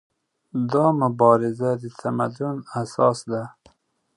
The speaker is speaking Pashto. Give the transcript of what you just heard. دا مبارزه د تمدن اساس ده.